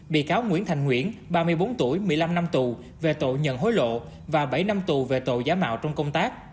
bị cáo nguyễn thành nguyễn ba mươi bốn tuổi một mươi năm năm tù về tội nhận hối lộ và bảy năm tù về tội giả mạo trong công tác